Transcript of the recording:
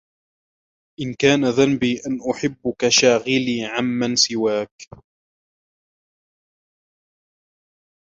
إن كان ذنبي أنّ حبّك شاغلي عمّن سواك